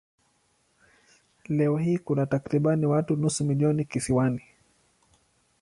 Leo hii kuna takriban watu nusu milioni kisiwani.